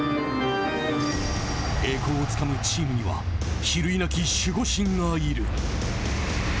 栄光をつかむチームには比類なき守護神がいる。